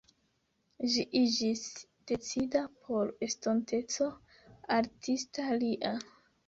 Ĝi iĝis decida por estonteco artista lia.